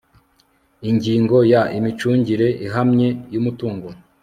ingingo ya imicungire ihamye y umutungo